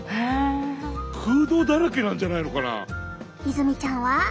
泉ちゃんは？